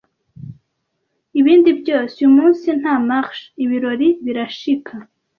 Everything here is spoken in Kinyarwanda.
Ibindi byose. Uyu munsi nta marge, ibirori birashika